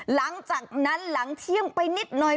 หลังจากนั้นหลังเที่ยงไปนิดหน่อย